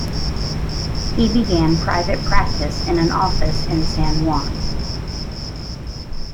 He began private practice in an office in San Juan.